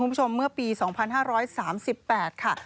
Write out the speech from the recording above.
คุณผู้ชมเมื่อปี๒๕๓๘ค่ะ